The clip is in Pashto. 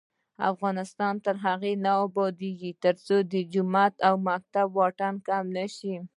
افغانستان تر هغو نه ابادیږي، ترڅو د جومات او مکتب واټن کم نشي.